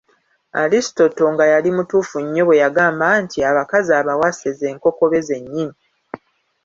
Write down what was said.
Alistotle nga yali mutuufu nnyo bwe yagamba nti abakazi abawase z’enkokobe z’ennyini!